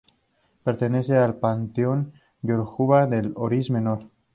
Pertenece al panteón yoruba, como un Orisha Menor.